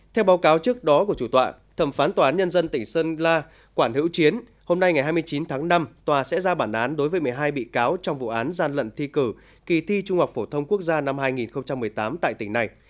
theo báo cáo trước đó của chủ tọa thẩm phán tòa án nhân dân tỉnh sơn la quản hữu chiến hôm nay ngày hai mươi chín tháng năm tòa sẽ ra bản án đối với một mươi hai bị cáo trong vụ án gian lận thi cử kỳ thi trung học phổ thông quốc gia năm hai nghìn một mươi tám tại tỉnh này